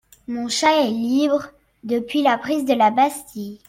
Mon chat est libre… depuis la prise de la Bastille !